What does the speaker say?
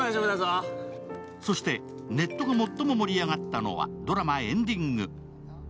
そしてネットが最も盛り上がったのはドラマエンディング。